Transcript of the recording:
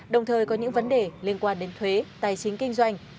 đồng thời có những vấn đề liên quan đến thuế tài chính kinh doanh